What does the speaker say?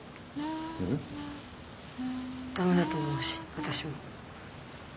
駄目だと思うし私も。